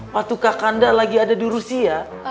waktu kakak anda lagi ada di rusia